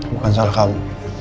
bukan salah kamu